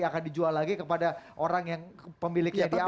akan dijual lagi kepada orang yang pemiliknya di awal